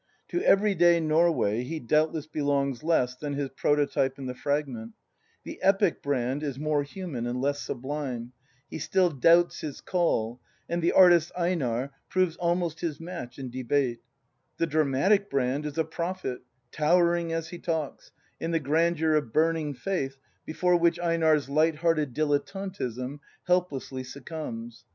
To every day Norway he doubtless belongs less than his prototype in the fragment: the epic Brand is more human and less sublime; he still doubts his "call," and the artist Einar proves almost his match in debate: the dramatic Brand is a prophet, "towering as he talks," in the grandeur of burning faith, before which Einar's light hearted dilet tantism helplessly succumbs.